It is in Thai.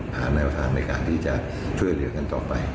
ผ่านราวภาพในการที่จะเผื่อเลือกกันต่อไป